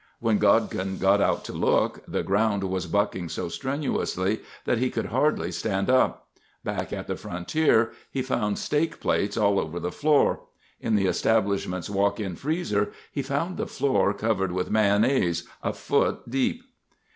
When Godkin got out to look, the ground was bucking so strenuously that he could hardly stand up. Back at the Frontier, he found steak plates all over the floor. In the establishment's walk in freezer he found the floor covered with mayonnaise—a foot deep!